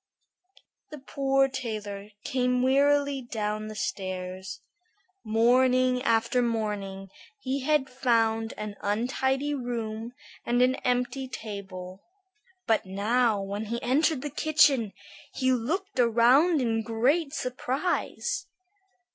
The poor tailor came wearily down the stairs. Morning after morning he had found an untidy room and an empty table. But now when he entered the kitchen, he looked around in great surprise.